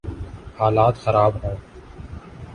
حالات خراب ہوں۔